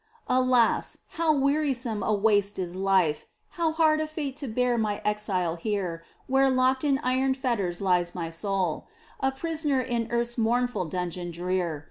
Alas ! how wearisome a waste is life ! How hard a fate to bear my exile here Where locked in iron fetters lies my soul, A prisoner in earth's mournful dungeon drear